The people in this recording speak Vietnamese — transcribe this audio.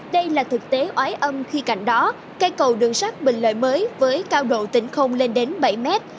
đây là thực tế oái âm khi cạnh đó cây cầu đường sắt bình lợi mới với cao độ tỉnh không lên đến bảy mét